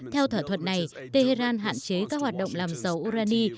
theo thỏa thuận này tehran hạn chế các hoạt động làm dầu urani